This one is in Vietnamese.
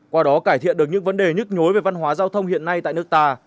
qua đó cải thiện được những vấn đề nhức nhối về văn hóa giao thông hiện nay tại nước ta